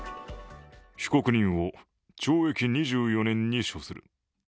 被告人を懲役２４年に処する。